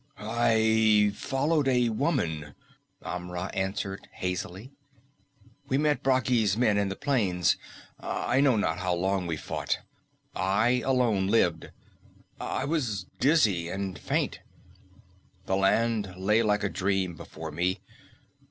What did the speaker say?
"I followed a woman," Amra answered hazily. "We met Bragi's men in the plains. I know not how long we fought. I alone lived. I was dizzy and faint. The land lay like a dream before me.